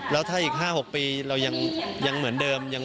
แล้วถ้าอีก๕๖ปีเรายังเหมือนเดิม